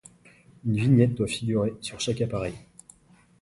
Une vignette doit figurer sur chaque appareil.